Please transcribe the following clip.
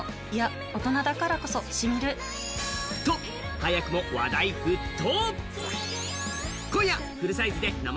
早くも話題沸騰。